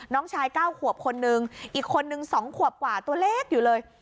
น้องชาย๙ขวบคนนึงอีกคนนึง๒ขวบกว่าตัวเล็กอยู่เลย